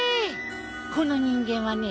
この人間はね